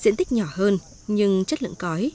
diện tích nhỏ hơn nhưng chất lượng cõi